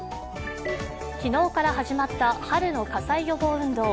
昨日から始まった春の火災予防運動。